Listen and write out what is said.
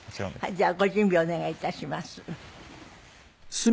じゃあご準備お願い致します。